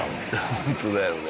ホントだよね。